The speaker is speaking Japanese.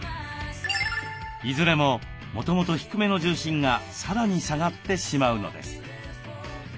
いずれももともと低めの重心がさらに下がってしまうのです。